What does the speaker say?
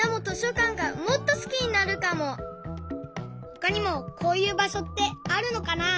ほかにもこういうばしょってあるのかな？